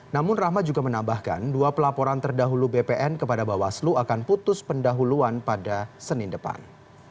namun rahmat juga menambahkan dua pelaporan terdahulu bpn kepada bawaslu akan putus pendahuluan pada senin depan